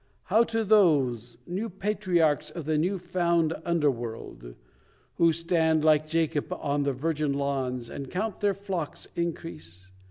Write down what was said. How to those New patriarchs of the new found underworld Who stand, like Jacob, on the virgin lawns, And count their flocks' increase?